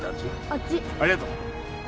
ありがとう。